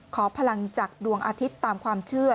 ขอพลังจากดวงอาทิตย์ตามความเชื่อ